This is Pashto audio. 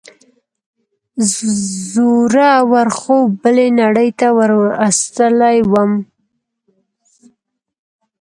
زوره ور خوب بلې نړۍ ته وروستلی وم.